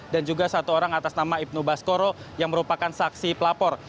dan juga satu orang atas nama ibnu baskoro yang merupakan saksi pelapor